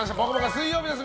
水曜日です。